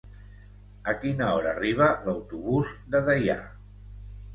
A quina hora arriba l'autobús de Deià?